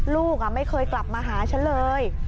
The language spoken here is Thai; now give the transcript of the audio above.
ลูกไม่เคยกลับมาหาฉันเลย